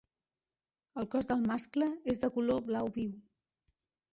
El cos del mascle és de color blau viu.